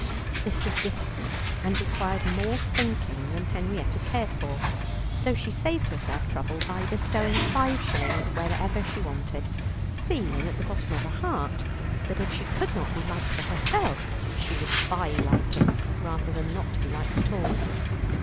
This was difficult, and required more thinking than Henrietta cared for, so she saved herself trouble by bestowing five shillings whenever she wanted, feeling at the bottom of her heart that if she could not be liked for herself, she would buy liking rather than not be liked at all.